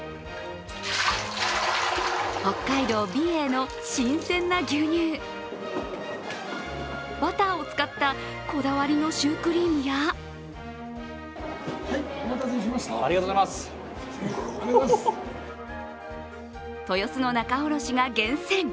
北海道・美瑛の新鮮な牛乳、バターを使ったこだわりのシュークリームや豊洲の仲卸が厳選。